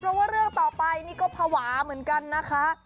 เพราะว่าเรื่องต่อไปนี่ก็ภาวะเหมือนกันนะคะ